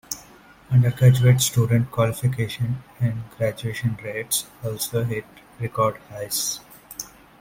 Undergraduate student qualifications and graduation rates also hit record highs.